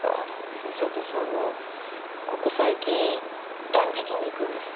先生私ここ最近断食に行くんです。